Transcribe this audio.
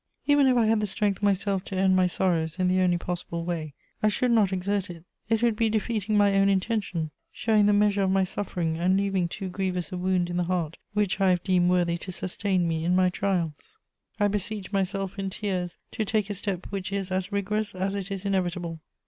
"Even if I had the strength myself to end my sorrows in the only possible way, I should not exert it: it would be defeating my own intention, showing the measure of my suffering, and leaving too grievous a wound in the heart which I have deemed worthy to sustain me in my trials. "I 'beseech myself in tears' to take a step which is as rigorous as it is inevitable.